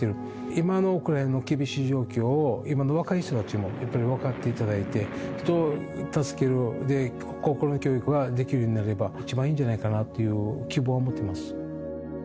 今のウクライナの厳しい状況を、今の若い人たちもやっぱり分かっていただいて、人を助ける心の教育ができるようになれば、一番いいのではないかという希望を持ってます。